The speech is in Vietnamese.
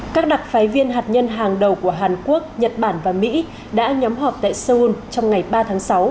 các đặc phái viên hạt nhân hàng đầu của hàn quốc nhật bản và mỹ đã nhóm họp tại seoul trong ngày ba tháng sáu